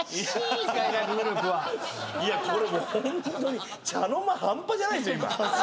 これもうホントに茶の間半端じゃないですよ今。